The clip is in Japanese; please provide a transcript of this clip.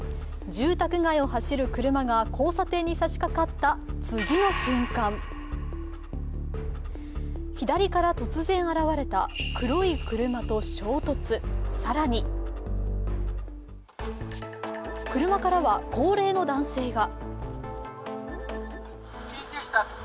住宅街を走る車が交差点に差しかかった次の瞬間、左から突然現れた黒い車と衝突、更に車からは高齢の男性が。